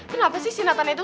kenapa sih si nathan itu